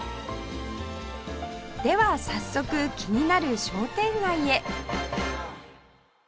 では早速気になる商店街へ